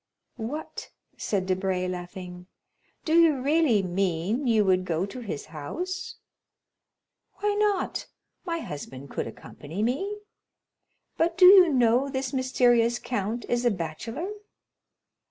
"What," said Debray, laughing; "do you really mean you would go to his house?" "Why not? my husband could accompany me." "But do you know this mysterious count is a bachelor?"